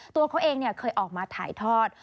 ตัวเขาเองเคยออกมาถ่ายทอด